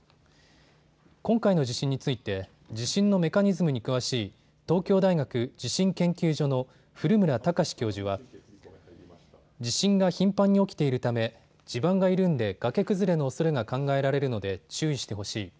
今回の地震について地震のメカニズムに詳しい東京大学地震研究所の古村孝志教授は、地震が頻繁に起きているため地盤が緩んで崖崩れのおそれが考えられるので注意してほしい。